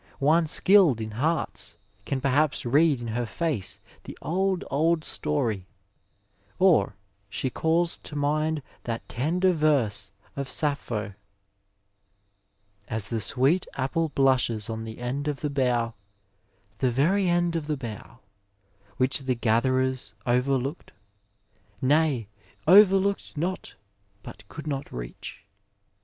One skilled in hearts can perhaps read in her face the old, old story ; or she calls to mind that tender verse of Sappho — As the sweet apple bluBhes on the end of the bough, the veiy end of the bough, which the gatherers overlooked, nay overlooked not but could not reach.